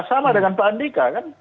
sama dengan pak andika kan